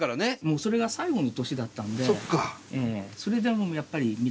それが最後の年だったんでそれでやっぱり見たくて。